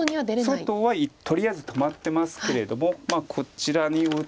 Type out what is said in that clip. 外はとりあえず止まってますけれどもこちらに打って。